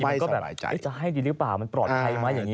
มันก็แบบจะให้ดีหรือเปล่ามันปลอดภัยไหมอย่างนี้